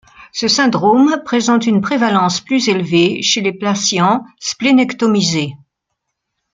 Ce syndrome présente une prévalence plus élevée chez les patients splénectomisés.